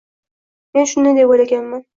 Men shunday deb o‘ylaganman.